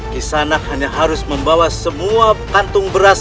kisanak hanya harus membawa semua kantung beras